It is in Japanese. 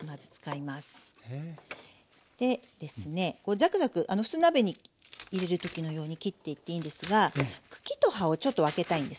ザクザク普通に鍋に入れる時のように切っていっていいんですが茎と葉をちょっと分けたいんですね。